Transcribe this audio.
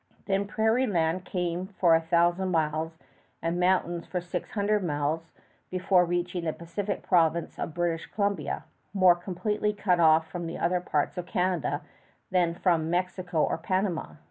Then prairie land came for a thousand miles, and mountains for six hundred miles, before reaching the Pacific province of British Columbia, more completely cut off from other parts of Canada than from Mexico or Panama.